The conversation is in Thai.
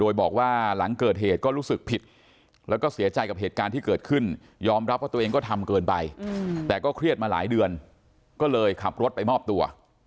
โดยบอกว่าหลังเกิดเหตุก็รู้สึกผิดแล้วก็เสียใจกับเหตุการณ์ที่เกิดขึ้นยอมรับว่าตัวเองก็ทำเกินไปแต่ก็เครียดมาหลายเดือนก็เลยขับรถไปมอบตัว